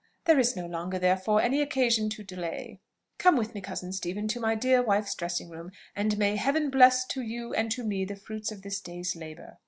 There is no longer, therefore, any occasion to delay; come with me, cousin Stephen, to my dear wife's dressing room; and may Heaven bless to you and to me the fruits of this day's labour!"